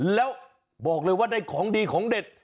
แล้วบอกเลยว่าได้ของดีของเด็ด